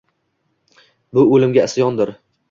Bu — o’limga isyondir.